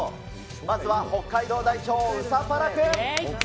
まずは北海道代表、ウサパラくん。